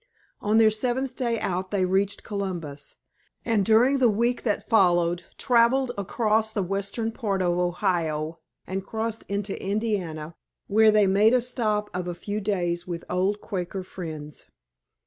On their seventh day out they reached Columbus, and during the week that followed traveled across the western part of Ohio and crossed into Indiana, where they made a stop of a few days with old Quaker friends.